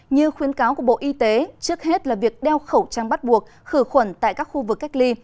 như khuyến cáo của bộ y tế trước hết là việc đeo khẩu trang bắt buộc khử khuẩn tại các khu vực cách ly